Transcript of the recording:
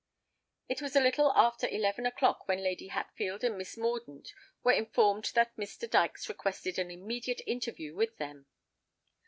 It was a little after eleven o'clock when Lady Hatfield and Miss Mordaunt were informed that Mr. Dykes requested an immediate interview with them.